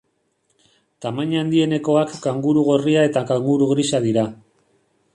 Tamaina handienekoak kanguru gorria eta kanguru grisa dira.